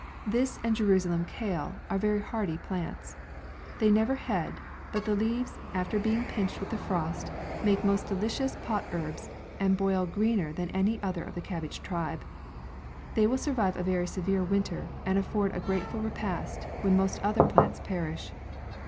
This, and Jerusalem Kale, are very hardy plants. They never head, but the leaves, after being pinched with the frost, make most delicious pot herbs, and boil greener than any other of the cabbage tribe. They will survive a very severe winter, and afford a grateful repast, when most other plants perish.